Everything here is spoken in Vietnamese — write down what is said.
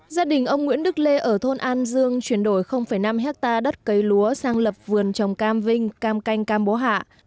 gia đình ông nguyễn đức lê ở thôn an dương chuyển đổi năm hectare đất cây lúa sang lập vườn trồng cam vinh cam canh cam bố hạ